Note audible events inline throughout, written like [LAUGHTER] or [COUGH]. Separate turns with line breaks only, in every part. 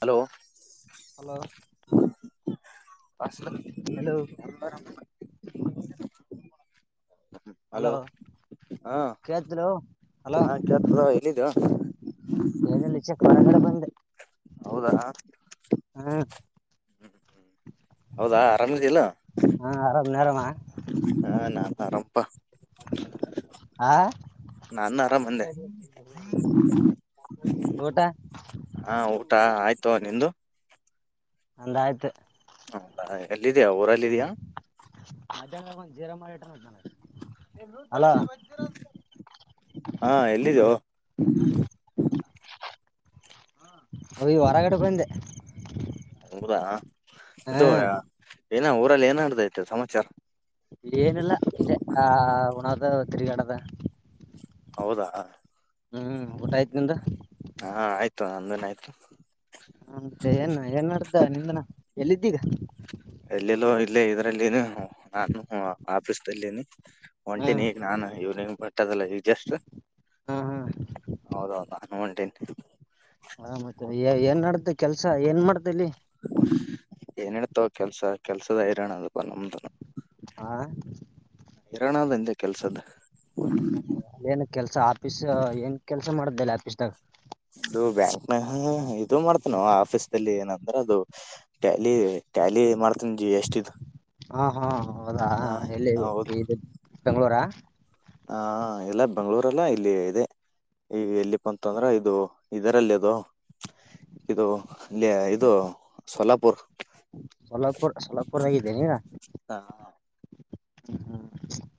Hello
hello
ಅರ [UNINTELLIGIBLE] hello ಹಾ
ಕೇಳ್ತಿಲ್ಲೋ
ಹಾ ್ಯಾತದ ಎಲ್ಲಿದ್ದ
ಕನಲ್ಲಿ ಚಕ್ ಹೊರಗಡೆ ಬಂದೆ
ಹೌದಾ
ಹ್ಮ
ಹೌದಾ ಆರಾಮಿದಿಲ್ಲ
ನೀನರಮ
ಆರಾಮು
ಆ
ನಾನು ಆರಾಮಂದೆ
ಊಟ
ಹಾ ಊಟ ಆಯ್ತು ನಿಂದು
ನಂದ ಆಯ್ತು
ಹೌದಾ ಎಲ್ಲಿದ್ಯಾ ಊರಲ್ಲಿ ಇದೀಯಾ
[UNINTELLIGIBLE] ಹಲೋ
ಹಾ ಎಲ್ಲಿದ್ದೋ
ಯ ಹೊರಗಡೆ ಬಂದೆ
ಹೌದ
ಹಾ
ಏನಾ ಊರಲ್ಲಿ ಏನಡ್ದೈತೆ ಸಮಾಚಾರ
ಏನಿಲ್ಲ ಇದೆ ಆ ಹಣ ಅದ ತಿರುಗಾಡಿದ
ಹೌದಾ
ಹ್ಮ್ ಊಟ ಆಯ್ತ ನಿಂದ
ಹಾ ಆಯ್ತು ಆಮೇಲೆ ಆಯ್ತು
ಮತ್ತೆ ಏನ್ ಏನ್ ನಡ್ದ ನಿಂದನ ಎಲ್ಲಿದ್ದೀಗ
ಎಲ್ಲೆಲ್ಲೋ ಇಲ್ಲೇ ನ ಆಫೀಸ್ ಅಲ್ಲಿನಿ ಒಂಟೆನ್
ಹ್ಮ್
ಈಗ ನಾನು ಇವ್ನ ಬಟ್ಟದಲ್ಲ ಜಷ್ಟ
ಹ್ಮ್ ಹ್ಮ್
ಹೌದೌದಾ ನ ಒಂಟನಿ ಹ [INAUDIBLE]
ಹ ಮತ್ತ ಏನ್ ನಡೆದದ್ದೇ ಕೆಲಸ ಏನ್ ಮಾಡತ ಇಲ್ಲಿ
ಏನ್ ಹಳ್ತಾವ ಕೆಲ್ಸ ಕೆಲ್ಸದ ಹೈರಾಣ ಅದು ಬ ನಮ್ದನ
ಆ
ಅದಂದೆ ಕೆಲ್ಸದ
ಅಏನ್ ಕೆಲ್ಸ ಆಫೀಸ್ ಏನ್ ಕೆಲ್ಸ ಕೆಸ ಮಾಡ್ದೇಲ್ಲ ಆಫೀಸ್ ದಾಗ್
ಇದು ಬ್ಯಾಂಕ್ನ ಇದು ಮಾಡ್ತ ನಾವು ಆಫೀಸಲ್ಲಿ ಏನಂದ್ರ ಅದು ಟ್ಯಾಲಿ ಟ್ಯಾಲಿ ಮಾಡ್ತ
ಹಾ ಹಾ ಹೌದಾ
ಹ
ಎಲ್ಲಿ
ಹೌದು
ಇದು ಬೆಂಗಳೂರು
ಹ ಎಲ್ಲ ಬೆಂಗಳೂರ ಅಲ್ಲಾ ಇಲ್ಲಿ ಇದೆ ಈ ಎಲ್ಲಿಪ್ಪ ಅಂತಂದ್ರ ಇದು ಇದರಲ್ಲಿ ಅದು ಇದು ಇಾ ಇದು ಸೋಲಾಪುರ್
ಸಲಪುರ್ ಸೋಲಪುರ್ದಾಗಿದ್ದೇನ ಹ
ಹ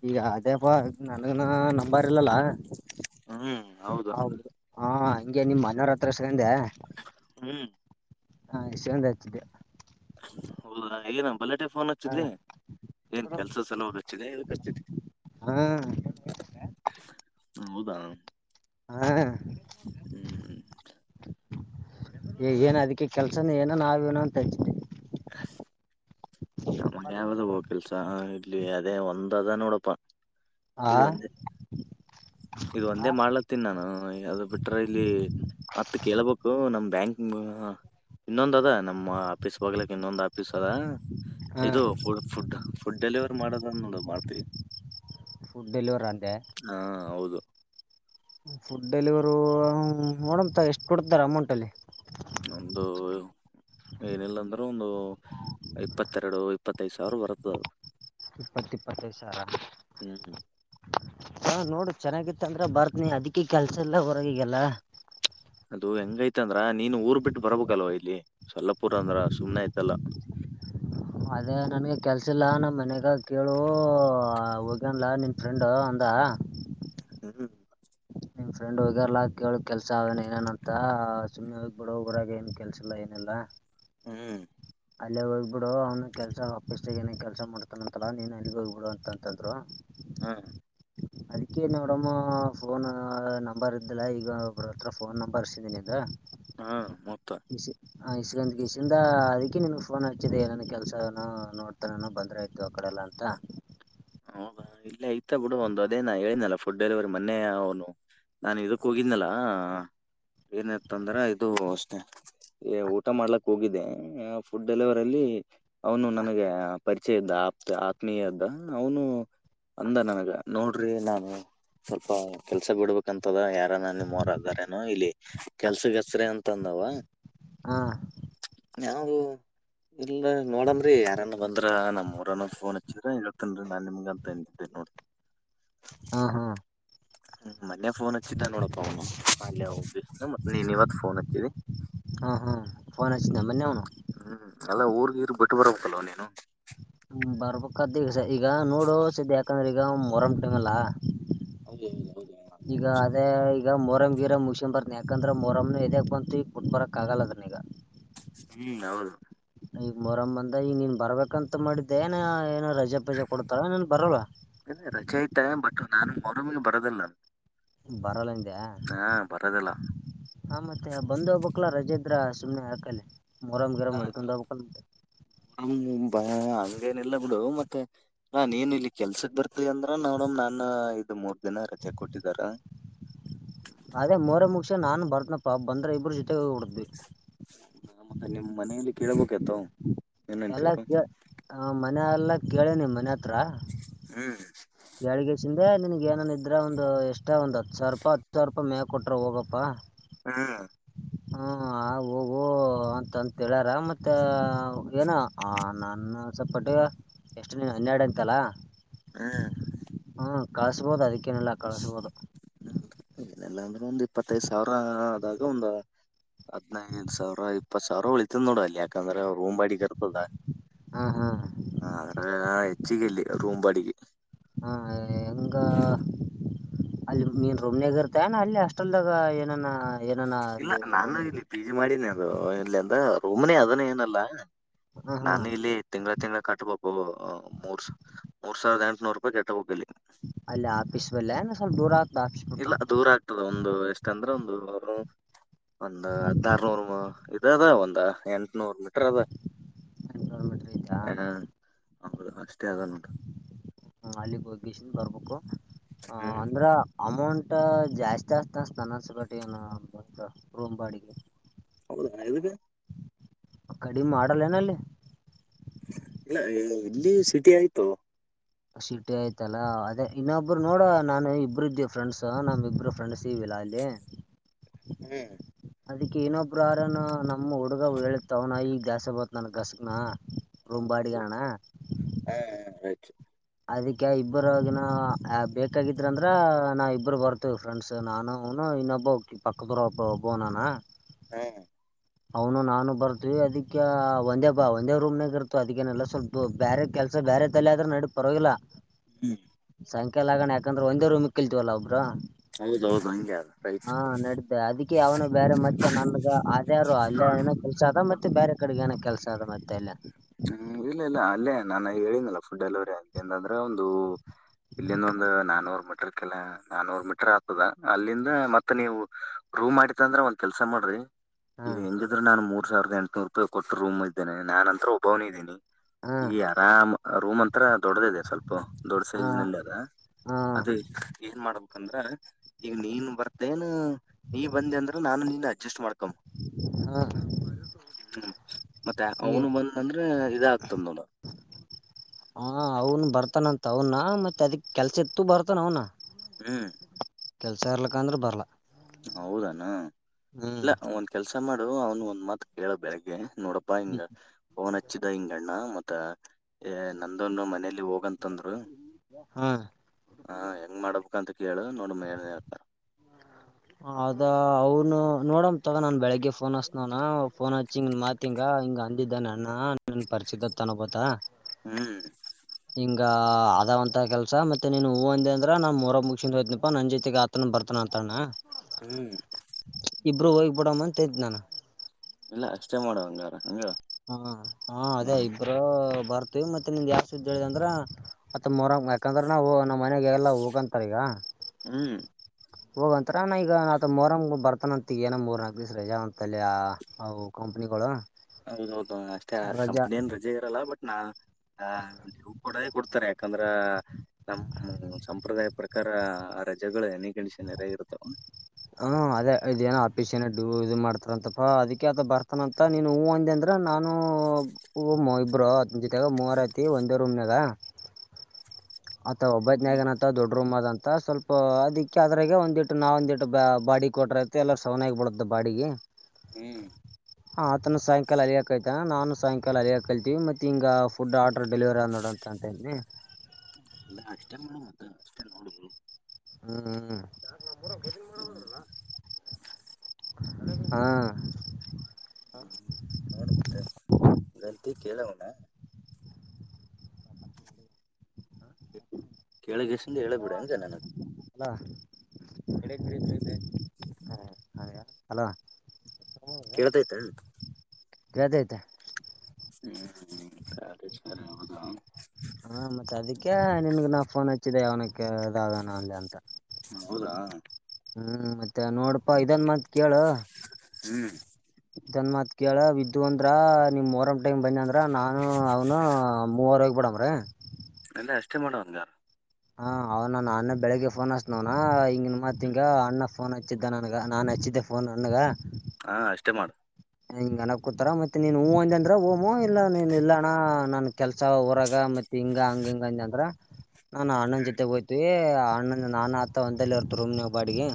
ಈಗ ಅದೇಪ ನನ್ಗನ ನಂಬರ್ ಇಲ್ಲಲ್ಲ
ಹ್ಮ್ ಹೌದು
ಹಾ ಹಿಂಗೆ ನಿಮ್ಮ್ ಮನೆಯವರ ಹತ್ರಸಗಂದೆ
ಹ್ಮ್
ಹಾ ಯಶಂದ ಹಚ್ಚಿದ್ದ
ಹೌದಾ ಹ ನ [UNINTELLIGIBLE] ಬಲಾಟೆ ಫೋನ್
ಹ
ಹಚ್ಚಿದ್ಿ ಏನ್ ಕೆಲ್ಸ ಸಲುವಾಗಿ ಹಚ್ಚಿದೆ ಇದಕ್ ಹಚ್ಚಿದ್ಿ
ಹಾ
ಹ ಹೌದಾ
ಹಾ
ಹ್ಮ್
ಏನ ಅದಕ್ಕೆ ಕೆಲ್ಸನ ಏನ ನಾವೇನೋ ಅಂತ ಹತಿನಿ
ಕ ಸ [UNINTELLIGIBLE] ನಮಗೆ ಯಾವದ ಹೋ ಕೆಲ್ಸಾ ಇಲ್ಲಿ ಯ ಅೇ ಒಂದಾದಾನೋಡಪ
ಆ
ಇ ಒಂದೇ
ಹಾ
ಮಾಡ್ಲತ್ತೀನ್ಿ ನಾನು ಅದು ಬಿಟ್ರ ಇಲ್ಲಿ ಮತ್ ಕೇಳ್ಬೇಕು ನಮ್ ಬ್ಯಾಂಕ್ ಹ ಇನ್ನೊಂದ್ ಅದ ನಮ್ಮ ಆಫೀಸ್ ಬೋಗ್ಲಿಕ್ ಇನ್ನೊಂದ್ ಆಫೀಸ್ ಅದ ಇದು ಡ್ ಫುಡ್ ಫುಡ್ ಡೆಲಿವರಿ ಮಾಡದನ್ನ ಮಾಡ್ತಿೀವಿ
ಫುಡ್ ಡೆಲಿವರ್ ಅಂತೆ
ಹೌದು
ಫುಡ್ ಡೆಲಿವರು ನೋಡಮ ತಡಿ ಎಷ್ಟು ಕೊಡ್ತಾರ ಅಮೌಂಟ ಅಲ್ಲಿ
ಒಂದು ಏನಿಲ್ಲ ಅಂದ್ರೆ ಒಂದು ಇಪ್ಪತ್ತೆರಡು ಇಪ್ಪತ್ತೈದು ಸಾವಿರ ಬರುತ್ತದ ಅದು
ಇಪ್ಪತ್ತಪ್ಪತ್ತೈದು ಸಾವಿರ
ಹ್ಮ್
ಹಾ ನೋಡ ಚೆನ್ನಾಗಿತ್ತ ಅಂದ್ರ ಬರ್ತ್ನಿ ಅದಕ್ಕೆಿ ಕೆಲ್ಸ ಎಲ್ಲ ಹೊರಗಗೆಲ್ಲ
ಅದು ಹೆಂಗೈ್ತಂದ್ರ ನೀನು ಊರ್ ಬಿಟ್ಟು ಬರ್ಬೇಕಲ್ವ ಇಲ್ಲಿ ಸಲ್ಲಪುರ್ ಅಂದ್ರ ಸುಮ್ನೆ ಆಯ್ತಲ್ಲ
ಅದೇ ನನ್ಗೆ ಕೆಲ್ಸಿಲ್ಲ ನಮ್ಮ ಮನೆಗ ಕೇಳು ಹೋಗ್ಯನಲ ನಿನ್ ಫ್ರೆಂಡ್ ಅಂದ
ಹ್ಮ
ನಿನ್್ ಫ್ರೆಂಡ್ ಹಗಲ್ಲಾ ಕೇಳಕ್ ಕೆಲ್ಸ ಅವೇನ್ ಏನೇನಂತ ಸುಮ್ಮ್ನೆ ಬಡರಾಗ ಏನ್ ಕೆಲ್ಸ ಇಲ್ಲ ಏನಾ ಇಲ್ಲ
ಹ್ಮ್
ಅಲ್ಲ ಹೋಗ್ಬಿಡು ಅವ್ನು ಕೆಲ್ಸ ಆಫಪೀಸ್ಾಗ ಏನ ಕೆಲಸ ಮಾಡ್ತಾನ ಅಂತಲಾ ನೀನ್ ಅಲ್ಲಿಗೆ ಹೋಗ್ಬಿಡು ಅಂತಂತಂದ್ರು
ಹಾ
ಅದಕ್ಕೆ ನೋಡಮ್ಮ ಫೋನ್ ನಂಬರ್ ಇದ್ದಲ್ಲ ಈಗ ಒಬ್್ರ ಹತ್ರ ಫೋನ್ ನಂಬರ್ ಇಸಿದೀನಿ ಅ
ಹಾ ಮೊತ್ತ
ಹ ಇಸಗಂದ ಕೆಸಿಂದ ಅದಕೆ ಿ ನಿನ್ಗ್ ಫೋನ್ ಹಚ್ಚಿದೆ ಏನನ್ ಕೆಲ್ಸಾನ ನೋಡ್ತಾನಾನ ಬಂದ್ರಾಯ್ತು ಅಕಡೆಲ್ಲಾ ಅಂತ
ಹಾ ಇಲ್ಲೇ ಐತ ಬಿಡು ಒಂದು ಅದೇನ ಹೇಳನಲ್ಲ ಫುಡ್ ಡೆಲಿವರಿ ಮೊನ್ನೆ ಅವನು ನಾನು ಇದಕ್ ಹೋಗಿದ್ನಲ್ಲ ಏನತ್ತ ಅಂದ್ರ ಇದು ಅಷ್ಟೆ ಏ ಊಟ ಮಾಡ್ಲಕ್ ಹೋಗಿದೆ ಫುಡ್ ಡೆಲಿವರಿ ಅಲ್ಲಿ ಅವನು ನನಗೆ ಪರಿಚಯ ಇದ್ದ ಆಪ್ ಆತ್ಮೀಯ ಇದದ್ದ ಅವನು ಅಂದ ನನಗ ನೋಡ್ ನಡ್ರಿ ನಾನು ಸ್ವಲ್ಪ ಕೆಲ್ಸ ಬಿಡ್ಬೇಕಂತದ ಯಾರ ನ ಮೋರಾರೇನು ಇಲ್ಲಿ ಕೆಲ್ಸ ಹೆಸ್ರ ಅಂತ ತಂದವಾ
ಹಾಂ
ನಾವವು ಇಲ್ಲ ನೋಡನ್್ರರಿ ಯಾರನ್ ಬಂದ ಅ್ರ ನಮ್ಮ್ಊರನ್ನೋ ಅವರ ಫೋನ್ ಹಚ್ಚಿದ್ರ [UNINTELLIGIBLE] ತನ್ರಿ ನಾನ್ ನಿಮ್ಗ ಅಂತ್ ತಂದಿದ್ದೇ ನೋಡ್ರೀ
ಹಾ ಹಾ
ಹ್ಮ್ ಮನ್ನೆ ಫೋನ್ ಹಚ್ಚಿದ್ದ ನೋಡಪ್ಪ ಅವ್ನು ಅಲ್ಲೆಒಬ್ [INAUDIBLE] ಮತ್ತ್ ನೀನ್ ಇವತ್ ಫೋನ್ ಹಚ್ಚಿದ್ದಿ.
ಹ್ಮ್ ಹ್ಮ್್ ಫೋನ್ ಹಚ್ಚಿದ್ನ ಮೋನ್ನೆ ಅವ್ನು.
ನೀರ್ ಬಿಟ್ಟ್ ಬರ್ಬೇಕಲ್ವ ನೀನು.
ಹ್ಮ್ ಬರ್ಬೇಕ್ಆದ್ದೆ ಈಗ ನೋಡು ಸಿದ್ದ ಯಾಕಂದ್ರೆ ಈಗ ಮೋರಂ ಟೈಮಲ್ಲಾ.
[INAUDIBLE]
ಅದೇ
[UNINTELLIGIBLE]
ಈಗ ಮೊರಂ ಗೀರಂ ಮುಗಿಸ್ ಬರ್ತಿನ್ ಯಾಕಂದ್ರೆ ಮೊರಮ್ನ ಎದಕ್ [INAUDIBLE] ಈಗ ಕುಟ್ ಬರಕ್ ಆಗಲ್ಲಾದನ್ ಈಗ
ಹ್ಮ್ ಹೌದು.
ಈಗ ಮೊರಾಮ್ ಬಂದ ಈಗ ನೀನ್ ಬರ್ಬೇಕಂತ್ ಮಾಡಿದ್ದೆ ಏನಾ ಏನಾರ್. ರಜೆ ಪಜೆ ಕೊಡ್ತಾರ ನೀನ್ ಬರಲ್ವಾ.
ಅ ನಾನು ಮರುಮಿಗೆ ಬರೋದಿಲ್ಲ
ಬರಲ್ಲಂದ
ಹಾ ಬರೋದಿಲ್ಲ
ಆ ಮತ್ತೆ ಬಂದ ಹಬಕ್ಲ್ಲ ರಜೆ ಹ ಸುಮನೆ ಹರಕ್ಕಲ್ಲೆ ಮರಮ ಗರಾಮ ಮಾಡಡಿಿಕಂದಾವಕ ಮಂತೆ
ಾ ಹಂಗೇನಿಲ್ಲ ಬಿಡು ಮತ್ತೆ ನಾ ನೀನ್ ಇಲ್ಲಿ ಕೆಲ್ಸದ ಬರ್ತ ಅಂದ್ರ ನೋಡಮ ನಾನ ಇ ಮೂರ್ ದಿನ ರಜೆ ಕೊಟ್ಟಿದಾರ
ಅದೇ ಮೊರ ಮುಗಸ ನಾನು ಬರ್ತನಪ್ಪಾ ಬಂದ್ರೆ ಇಬ್ಬರು ಜೊತೆಗೋಗಿಡದ್ವಿ
ಹ ಮತ್ತೆ ನಿಮ್ ಮನೆಯಲ್ಲಿ ಕೇಳಬೇಕತ
ಎಲ್ಲ ಮ [UNINTELLIGIBLE] ಮನ ಎಲ್ಲ ಕೇಳನೆಿ ಮನೆ
ಹ್ಮ್
ಕಳಗಸಿಂದೆ ನಿನ್ಗ ಏನನ್ ಇದ್ರ ಒಂದ್ ಎಷ್ಟೇ ಒಂದ್ ಹತ್ತು ಸಾವಿ ರೂಪಾ ಹತ್ತು ಸಾವಿರ ರೂಪಾಯ ಮೇ ಕೊಟ್ರ ಹೋಗಪ್ಪಾ
ಹಾ
ಹಾ ಆ ಹೋಗು ಅಂತಂತಳ್ಯಾರ ಮತ್ತ ಏನು ನನ್ನ ಸಪಟ್ಟ ಎಷ್ಟು ಹನ್ನೆರಡು ಅಂತಲ್ಲ
ಹ್ಮ್
ಕಳಸ್ಬೋದು ಅದಕ್ಕೆ ಕೆನೆಲ್ಲ ಕಳಿಸುವುದು
ಇೆಲ್ಲಾಂದ್ರೆ ಒಂದ್ ಇಪ್ಪತ್ತೈ್ ಸಾವಿರ ಆದಾಗ ಒಂದು ಹದ್ಿನೈದು ಸಾವಿರ ಆಯ್ತು ಇಪ್ಪತ್ತ್ ಸಾವ್ರ ಉಳಿತ್ ನೋಡ ಅಲ್ಲಿ ಯಾಕಂದ್ರೆ ರೂಮ್ಾಡಿಗೆ ಇರ್ತದ
ಹಾ ಹಾ
ಚ್ಚಗ ಇಲ್ಲಿ ರೂಮಂಬಾಡಿಗೆ
ಹ್ಮ್ ಹೆಂಗ ಅಲ್ಲಿ ಮನ್ ರೂಮ್ನ್ಗ ಇರ್ತನ ಅಲ್ಲಿ ಅಷ್ಟಟೆಲ್ದಾಗ ಏನಾನ
ಇಲ್ಲ ನಾನು ಇಲ್ಲಿ ಪಿ ಜಿ ಮಾಡಿನಿ ಅದು ಇಲ್ಲಿ ಅಂದ ರೂಮನೆ ಅದನ್ನ ಏನಲ್ಲಾ
ಹ್ಮ್ ಹ್ಮ್
ನಾನು ಇಲ್ಲಿ ತಿಂಗಗಳ ತಿಂಗಗಳ ಕಟ್ಬೇಕು ಮೂರ್ ಮೂರ್ ಸಾವಿದ ಎಂುನೂ ರಪಾಯ ಕಟ್ಟಬೇಕು ಇಲ್ಲಿ
ಅಲ್ಲ ಆಫೀಸ್ ಬಲ್ಲ ಏನ ಸ್ವಲ್ಪ ದೂರ ಆಗ್ತ ಆಫೀಸ್ ಬಿಟ್ಟ
ಅವರ [UNINTELLIGIBLE] ಒಂದ್ ಹದಾರ್ನೂರ್ ಅ ಅದ ಒಂದ ಎಂ [INAUDIBLE] ನೂರು ಮೀಟರ್ ಅದ
ಎಂಟುನೂರು ಮೀಟರ್ ಐತಾ
ಹಾ ಹ ಅಷ್ಟ ಆಗಲು
ಹ್ಮ ಅಲ್ಲಿ ಬಗೀೇಶ್ನ್ ಬರ್ಬೇಕು ಹ
ಹ್ಮ್
ಅಂದ್ರ ಅಮೌಂಟ್ ಜಾಸ್ತಿ ಅಸ್ತ ಅತಾನಸಗಟ ಏನು ರೂಮ್ ಬಾಡಿಗೆ
ಹದ ಇದಕ್ಕೆ
ಕಡಿಮೆ ಮಾಡಲ್ಲೇಏನ ಅಲ್ಲಿ
ಇಲ್ಲಏನು ಇಲ್ಲಿ ಸಿಟಿ ಆಯ್ತು
ಶಿಟ್ಟಿ ಆಯ್ತಲ್ಲಾ ಅದೇ ಇನ್ನೊಬ್ರು ನೋಡ ನಾನು ಇಬ್ಬರು ಇದ್ದೀ ಫ್ರೆಂಡ್ಸ್ ನಮಿ ಇಬ್ಬರು ಫ್ರೆಂಡ್ಸ್ ಇವಿಲ್ಲಾ ಅಲ್ಲಿ
ಹ್ಮ್
ಅದಿಕ್ ಏನೊಬ್ರು ಆರನು ನಮ್ಮ್ ಹುಡುಗ ಹೇಳತ್ವ್ನ ಈಗ್ ದ್ಯಾಸ ಬತ್ ನನ್ ಗಸಗನ
ಹೌದು
ರೂಮಂಬಾಡಿಿಯಾನ
ಹಾ [INAUDIBLE]
ಅದಕ್ಕೆ ಇಬ್ಬರಗನ ಬೇಕಾಗಿದ್ರ ಅಂದ್ರ ನಾ ಇಬ್ಬರು ಬರ್ತೇವ ಫ್ರೆಂಡ್ಸ್ ನಾನುನು ಇನ್ನೊಬ್ಬ ಪಕ್ಕದರ ಒಬ್ಬಬನಾನ
ಹ್ಮ
ಅವನು ನಾನು ಬರ್ತವಿ ಅದಿ ಒಂದೇ ಬಾ ಒಂದೇ ರೂಮ್ನಾಗ ಇರ್ತ ಅದಕ್ಕೇನೆಲ್ಲ ಸ್ವಲ್ಪ ಬೇರೆ ಕೆಲ್ಸ ಬೇರೆ ತಲೆ ಆದ್ರ ನಡಕ್ ಪರವಾಗಿಲ್ಲ
ಹ್ಮ್
ಸಂಖ್ಯೆ ಆಗಣ ಯಾಕಂದ್ರ ಒಂದೇೂಮ್ ಕಲ್ತವಲ್ಲ ಒಬ್ರು
ಹೌದೌದು ಹಂಗೆ ಅದ ರೈಟ್
ಹಾ ನಡ್ದ ಅದಕ್ಕೆ ಅವನು ಬೇರೆ ಮತ್ತೆ ನನ್ಗ ಆ ಅಲ್ಲ
ಹಾ
ಏನ ಕೆಲ್ಸ ಅದ ಮತ್ತೆ ಬೇರೆ ಕಡೆಗೆ ಏನ ಕೆಲ್ಸ ಅದ ಮತ್ತೆ ಎಲ್ಲ
ಹ್ಮ್ ಇಲ್ಲ ಇಲ್ಲ ಅಲ್ಲೇ ನಾನ ಹೇಳನಿಲ್ಲಲ್ಲ ಫುಡ್ ಡೆಲಿವರಿ ಅಂತ ಎಂದ್ರೆ ಒಂದು- ಇಲ್ಲಿಂದ ಒಂದು ನಾನೂರ್ ಮ ಕೆಲ್ಲ ನಾನೂರ್ ಮೀಟರ್ ಆಗ್ತದ ಅಲ್ಲಿಂದ ಮತ್ತತ್ ನೀವು ರೂವ್ ಮಾಡತ್ತ ಅಂದ್ರೆ ಒಂದ್ ಕೆಲ್ಸ ಮಾಡ್ರಿ ಈಗ
ಹಾಂ
ಎಂಗಿದ್ರೆ ನಾನು ಮೂ ಮೂರ್ ಸಾವಿದ ಎಂಟನೂರು ರೂಪಿಟ್ಟ ರೂ್ ಇದ್ದೇ ನುಂತತ್ರ ಒಬ್ಬನಿದ್ದೀಿ
ಹಾಂ
ಈ ಆರಾಮ್ ರೂಮಂತ ಹತ್ರ ದೊಡ್ದಿದೆ ಸ್ವಲ್ಪ ದೊಡ್
ಹಾಂ
ಸೈಜ್ಿನಲ್ಲಿ ಅದ
ಹಾಂ
ಅದೇ ಏನ್ ಮಾಡಬಹುದು ಯಾಕಂದ್ರ ಈಗ ನೀನ್ ಬರ್ತೇನು ನೀ ಬಂದಿ ಅಂದ್ರ ನಾನು ನೀನ್ ಅಡ್ಜಸ್ಟ್ ಮಾಡ್ಕೊ ಹ್ಮ್
ಹಾಂ
ಮತ್ತೆ
ಈಗ
ಅವನು ಬಂದ ಅಂದ್ರೆ ಇದಾಗಗ್ತದ ನೋಡ
ಹ ಅವನ್ ಬರ್ತಾನಂತ ಅವನ ಮತ್ತೆ ಅದಕ್ ಕೆಲ್ಸ ಇತ್ತು ಬರ್ತಾನ ಅವನ.
ಹ್ಮ್.
ಕೆಲ್ಸ ಇರ್ಲಕ್ಕ ಅಂದ್ರ ಬರ್ಲಾ.
ಹೌದಾನ ಇಲ್ಲ ಒಂದ್ ಕೆಲ್ಸ ಮಾಡುದು ಅವನು ಒಂದ್ ಮಾತ್ ಕೇಳೋ ಬಗೆ ನೋಡಪ್ಪಾ
ಹ್ಞೂ
ಹಿಂಗ ಫೋನ್ ಹಚ್ಚಿದ ಹಿಂಗಣ್ಣ ಮೆ ಅ ನಂದೊನ್ನು ಮನಲಿ. ಇಲ್ಲಿ ಹೋಗಂತಂದ್ರು
ಹಾಂ
ಹ ಹೆಂಗ್ ಮಾಡಬೇಕಂತ ಕೇಳ ನೋಡ ಮನ ಹತಾರ.
ಅದ ಅವ್ನು ನೋಡಮ ತಗ ನಾನ್ ಬೆಳಗ್ಗೆ ಫೋನ್ ಹಸ್ನವಾನ ಫೋನ್ ಹಚ್ಚಿಂಗ ಮಾತಿಂಗ ಹಿಂಗ ಅಂದಿದ್ದ ನ ಅಣ್ಣ ನನ್ ಪರಿಚಿತತ್ನಬತ.
ಹ್ಮ್.
ಹಿಂಗ ಅದವಂತ ಕೆಲಸ ಮತ್ತೆ ನೀನು ಹೂವು ಅಂದೆ ಅಂದ್ರ ನಾ ಮರ ಮುಗಸ ಹೋಯ್ತನಪ್ಪ ನನ್ ಜೊತೆಗೆ ಆತನ ಬರ್ತಾನ ಅಂತಣ್ಣ.
ಹ್ಮ್
ಇಬ್ಬರುೂ ಹೋಗ್ಬ ಬಿಡಮ್ಮ ಅಂತ ಇದ್ದ್ ನಾನು.
ಇಲ್ಲ ಅಷ್ಟೇ ಮಾಡುವ ಹಂಗಾರ ಹಂಗ.
ಹಾ ಹಾ ಅದೇ
ಹ್ಮ್
ಇಬ್ರು. ಬರ್ತೀವಿ ಮತ್ತೆ ನಿಮ್ ಯಾವ ಸ್ದ ಹೇಳಿದೆ ಅಂದ್ರೆ ಅತ್ತ ಮೊರ ಯಾಕಂದ್ರೆ ನಾವು ನಮ್ಮ ಮನಯಾಗ ಎಲ್ಲ ಹೋಗಂತಾರೆ ಈಗ.
ಹ್ಮ್.
ಹೋಗಂತರ ನ ಈಗ ನತ ಮೋರಂಗ ಬರ್ತಾನ ಅಂತಗಏನ ಮೂರ್ನಾಾಕು ದಿವಸ ರಜಾ ಅಂತಲ್ಲಿವು ಕಂಪ್ನಿಗಳು.
ಹೌದೌದು ಅಷ್ಟೇ
ರಜಾ
ಕಂಪ್ನಿ ಏ ರಜೆ ಇರಲ್ಲ ಬಟ್. ನಾ. ಹ ನೀವು ಕಡೇ ಕೊಡ್ತಾರೆ ಆಯ್ತು. ಯಾಕಂದ್ರ ನಮ ಸಂಪ್ರದಾಯ ಪ್ರಕಾರ ರಜೆಗಳು ಎನಿ ಕಂಡೀಷನ್ ಎರ ಇರುತ್ತಾವ.
ಹ್ಮ ಅದೇ ಇದೇನೋ ಆಫೀಸ್ ಏನ ಡು ಇ ಮಾಡ್ತ ಂತಪ್ಪಾ ಅದಕ್ಕೆ ಅ ಬರ್ತಾನ ಅಂತ ನೀನ್ ಹೂ ಅಂದ ಅಂದ್ರ ನಾನ ಹ್ಮ್ಮ್. ಒಬ್ೋ ಜೊತೆಾಗ ಮೂವರ ಐತಿ ಒಂದು ರೂಮ್ನಾಗ ಆತ್ತ ಒಬ್ಬಕಿ
ಹ್ಮ್
ಅದನ ಅಂತ ದೊಡ್ಡ ರಮ್ಮ್ ಅಂತ. ಸ್ವಲ್ಪ ಅದಿಕ್ಕೆ ಅದ್ರಾಗೆ ಒಂದ್ಿಟ್ಟು ನಾವ ಒಂದಿಟ್ಟ ಬಾಡಿಗೆ ಕೊಟ್ರಐತೆ ಎಲ್ಲರ ಸವನಾಗಾಗಿ ಬಳತ್ತೆ ಬಾಡಿಗೆ.
ಹ್ಮ್
ಹ ಆತನ ಸಾಯಂಕಾಲ ಅಲಿಯಕ ಆಯ್ತ. ನಾನು ಸಾಯಂಕಾಲ ಹಲಿಯ ಕಲ್ತೀವಿ ಮತ್ತೆ ಹಿಗ ಫುಡ್ ಆರ್ಡರ್ ಡೆಲಿವರಿ ಆಗಿ ನೋಡ ಅಂತ ಅಂತ ಇದನಿ.
ಅಲ್ಲ ಅಷ್ಟೇ ನೋಡ ಮತ್ತ ಅಷ್ಟೇ ನೋಡುದು.
ಹ್ಮ್ ಹ್ಮ್.
[UNINTELLIGIBLE]
ಹಾ.
ಹ್ಮ್ ನೋಡ್ ಮತ್ತೆಂತ ಕೇಳ. ಹಾ. ಹ್ಮ್ಮ್. ಕೆಳಗ್ಗೆಸ ಹೇಳಳ್ಬಿಡ ಅಂದೆ ನನು.
ಅಲ್ಲ. ಕೆಳಗೆ ಇಳಿತೈತೆ. ಹಾ ಹಾಗ ಹಲೋ
ಕೇಳತೈತ
ಕೆಳತೈತೆ
ಹ್ಮ್ [UNINTELLIGIBLE]
ಹಾ ಮತ್ತೆ ಅದಕ್ಕೆ ನಿನ್ಗೆ ನಾ ಫೋನ್ ಹಚ್ಚಿದ್ದೆ ಅವನಕ್ಕೆ- ಇದಾನ ಅಲ್ಲಿ ಅಂತ
ಹೌದ.
ಹ್ಮ್ ಮತ್ತೆ ನೋಡಪಾ ಇದನ್ ಮತ್ ಕೇಳ.
ಹ್ಮ್
ಇದನ್ ಮಾತ್ ಕೇಳ ಬಿದ್ದು ಅಂದ್ರ ನಿಮ್ ಮೂವರಂ ಟೈಮ್ ಬಂದ ಅಂದ್ರ ನಾನು ಅವನು ಮೂವರ ಹೋಗಬಡವ್ರ
ಎಲ್ಲ ಅಷ್ಟೇ ಮಾಡೋನಾ
ಹಾ ಅವ ನಾನ ಅಣ್ಣ ಬೆಳಿಗ್ಗೆ ಫೋನ್ ಹಚ್ಚಸ ಹಿಂಗ ಮತ್ ಹಿಂಗ ಅಣ್ಣ ಫೋನ್ ಹಚ್ಚಿದ್ದ ನನ್ಗ ನಾನನ್ ಹಚ್ಚಿದ್ದೆ ಫೋನ್ ಅಣ್ಣಗ
ಹಾ ಅಷ್ಟೇ ಮಾಡು
ಹಿಂಗ ಅನ ಕೂತಾರ ಮತ್ತೆ ನೀನ್ ಹೂ ಅಂದ ಅಂದ್ರ ಹೂವು ಇಲ್ಲಾ ನೀನ್ ಇಲ್ಲ ಅಣ್ಣ ನನ್ ಕೆಲ್ಸ ಹೊರಾಗ ಮತ್ತತ್ ಹಿಂಗ ಹಂಗ ಹಿಂಗ ಅಂದ ಅಂದ್ರ ನಾ ಅಣ್ಣನನ್ ಜೊತೆ ಹೋಯ್ತಿವಿ ಅಣ್ಣನ ನಾನ ಅತ್ತ ಒಂದಲ್ಲಿ ಇರ್ತ ರಮ್ನ್ ಬಾಡಿಗೆ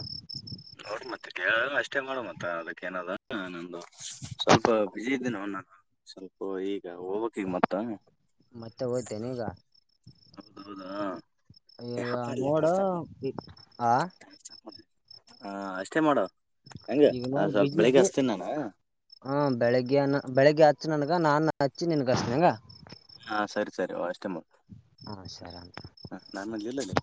ನೋಡ್ ಮತ್ತೆ ಅಷ್ಟೇ ಮಾಡ ಮತ್ತ ಅದಕ್ಕ ಏನದ ನಂದು ಸ್ವಲ್ಪ ಬಿಸಿ ಇದೀನಿ ನಾ ಸ್ವಲ್ಪ ಈಗ ಹೋಗ್ಕ್ ಈಗ ಮತ್ತ
ಮತ್ತೆ ಒಯ್ತೆನೆ ಈಗ
ಹೌದೌದಾ ಏ
ಈಗ
ಹಾಪ್ ಮಾಡ್ಲಿ
ನೋಡ
ಟಾರ್ಚ್ ಆಫ್ ಮಾಡ
ಹ
ಹಾ ಅಷ್ಟೇ ಮಾಡು ಹಂಗ
ಈಗ ನೋಡ್
ಸ್ವಲ್ಪ ಬೆಳಿಗ್ಗೆ ಹಚ್ತೀನಿ ನಾನು
ಬೆಳಿಗ್ಗೆನ ಬೆಳಿಗ್ಗೆ ಅ ಹಚ್ಚು ನನ್ನಗ ಹಚ್ಚಿ ನನ್ ನಿನಗ ಹೆಂಗ.
ಹಾ ಸರಿ ಸರಿ ಅಷ್ಟೆ ಮ
ಹಾ ಸರಿ ಅಣ್ಣ.
ಹ ನಾನಲ್ಲಲ್ಲಿ